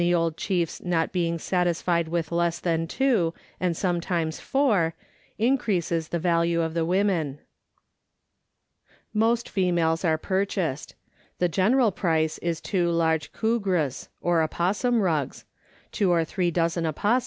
old chiefs' not being satisfied with less than two and sometimes four, increases the value of the women. Most females are purchased. The general price is two large koogrs (or opossum rugs), two or three dozen opossums, and other trifles.